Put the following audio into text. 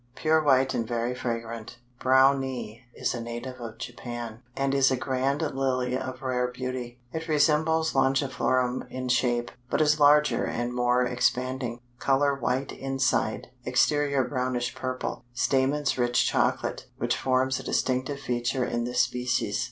Pure white and very fragrant. Brownii is a native of Japan, and is a grand Lily of rare beauty. It resembles Longiflorum in shape, but is larger and more expanding; color white inside, exterior brownish purple; stamens rich chocolate, which forms a distinctive feature in this species.